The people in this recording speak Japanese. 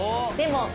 でも。